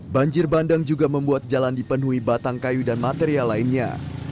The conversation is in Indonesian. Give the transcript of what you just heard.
banjir bandang juga membuat jalan dipenuhi batang kayu dan material lainnya